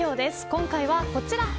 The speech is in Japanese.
今回はこちら。